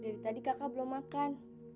dari tadi kakak belum makan